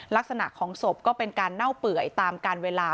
ลักษณะของศพก็เป็นการเน่าเปื่อยตามการเวลา